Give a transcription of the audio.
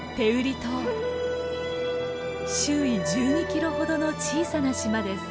周囲１２キロほどの小さな島です。